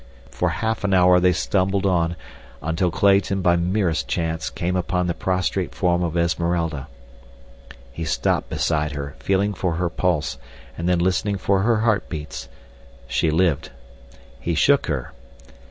For half an hour they stumbled on, until Clayton, by merest chance, came upon the prostrate form of Esmeralda. He stopped beside her, feeling for her pulse and then listening for her heartbeats. She lived. He shook her.